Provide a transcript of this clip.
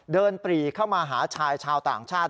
ปรีเข้ามาหาชายชาวต่างชาติ